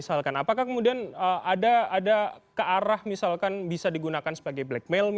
apakah kemudian ada kearah misalkan bisa digunakan sebagai blackmail